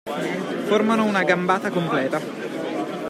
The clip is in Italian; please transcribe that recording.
Formano una gambata completa.